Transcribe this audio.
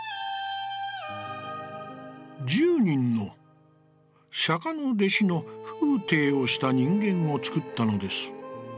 「十人の釈の弟子の風体をした人間をつくったのです。